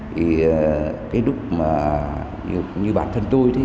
thì cái lúc mà như bản thân tôi thì